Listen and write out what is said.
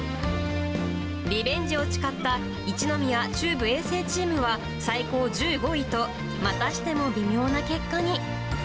リベンジを誓った一宮中部衛生チームは、最高１５位と、またしても微妙な結果に。